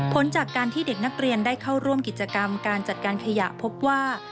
ผลจากการที่เด็กนักเรียนได้เข้าร่วมกิจกรรมการจัดการขยะพบว่า